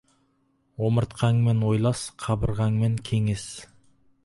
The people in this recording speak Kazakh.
Омыртқаңмен ойлас, қабырғаңмен кеңес.